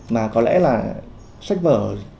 mà có lẽ là sách vở